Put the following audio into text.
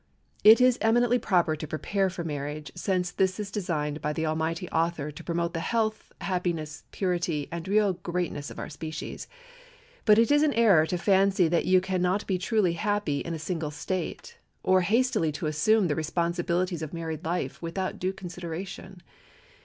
It is eminently proper to prepare for marriage, since this is designed by the Almighty Author to promote the health, happiness, purity, and real greatness of our species. But it is an error to fancy that you can not be truly happy in a single state, or hastily to assume the responsibilities of married life without due consideration.